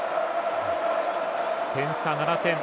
点差７点。